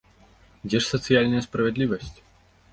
Дзе ж сацыяльная справядлівасць?